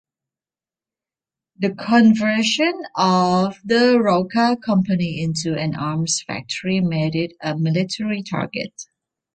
The conversion of the Roca Company into an arms factory made it a military target.